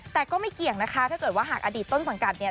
แต่ก็ไม่เกี่ยงนะคะถ้าเกิดว่าหากอดีตต้นสังกัดเนี่ย